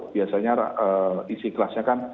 biasanya isi kelasnya kan